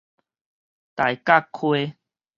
大甲溪